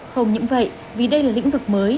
không những vậy vì đây là lĩnh vực mới